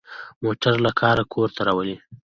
موټر له کاره کور ته راولي.